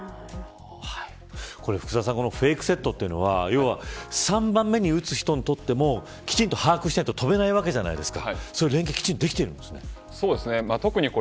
福澤さんフェイクセットというのは３番目に打つ人にとってもきちんと把握しないと跳べないわけじゃないですか。